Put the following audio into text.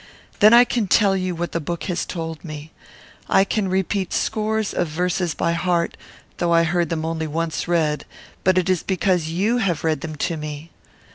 Then I can tell you what the book has told me. I can repeat scores of verses by heart, though I heard them only once read; but it is because you have read them to me.